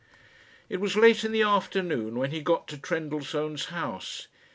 It was late in the afternoon when he got to Trendellsohn's house.